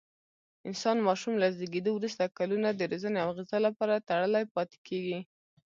انسان ماشوم له زېږېدو وروسته کلونه د روزنې او غذا لپاره تړلی پاتې کېږي.